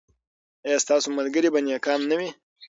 ایا ستاسو ملګري به نیکان نه وي؟